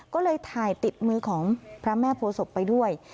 ก็เลยถ่ายติดมือของพระแม่โพศพไปด้วย